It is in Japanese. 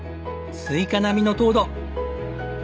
スイカ並みの糖度。